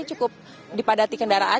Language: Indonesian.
cukup dipadati kendaraan